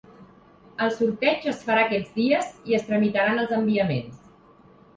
El sorteig es farà aquests dies i es tramitaran els enviaments.